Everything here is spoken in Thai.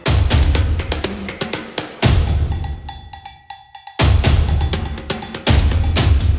อ่า